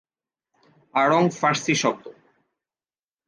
আড়ং ফারসি শব্দ।